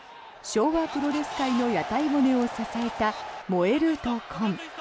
昭和プロレス界の屋台骨を支えた燃える闘魂。